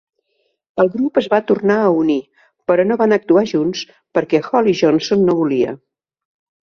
El grup es va tornar a unir però no van actuar junts perquè Holly Johnson no volia.